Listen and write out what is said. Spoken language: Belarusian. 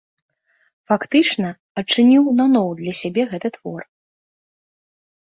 Фактычна адчыніў наноў для сябе гэты твор.